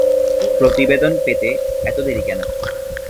প্রতিবেদন পেতে এত দেরি কেন?